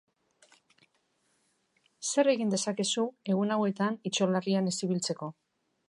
Zer egin dezakezu egun hauetan itolarrian ez ibiltzeko?